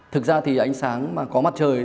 thực ra thì ánh sáng mà có mặt trời